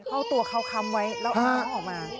เอาตัวเขาค้ำไว้แล้วเอาน้องออกมา